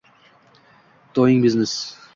doingbusiness